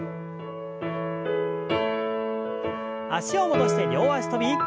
脚を戻して両脚跳び。